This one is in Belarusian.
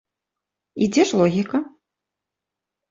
І дзе ж логіка?